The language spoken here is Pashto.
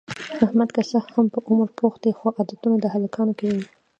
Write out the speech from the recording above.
احمد که څه هم په عمر پوخ دی، خو عادتونه د هلکانو کوي.